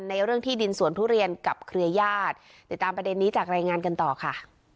เรื่องที่ดินสวนทุเรียนกับเครือญาติติดตามประเด็นนี้จากรายงานกันต่อค่ะ